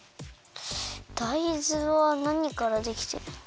だいずはなにからできてるんだ？